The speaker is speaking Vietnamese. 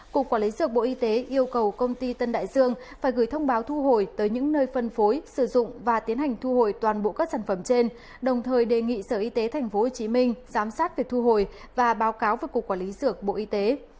cục quản lý dược bộ y tế vừa có công văn gửi tất cả sản phẩm mỹ phạm vi phạm trên thị trường